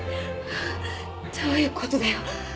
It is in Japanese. どういうことだよ？